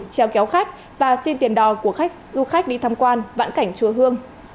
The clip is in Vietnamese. treo kéo khách và xin tiền đò của du khách đi thăm quan vãn cảnh chua hương